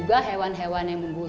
jangan terlalu lihatga